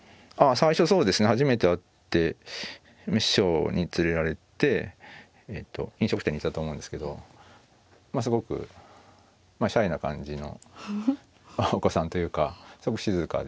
最初そうですね初めて会って師匠に連れられて飲食店に行ったと思うんですけどすごくシャイな感じのお子さんというかすごく静かで。